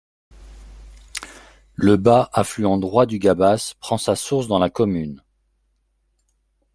Le Bas, affluent droit du Gabas, prend sa source dans la commune.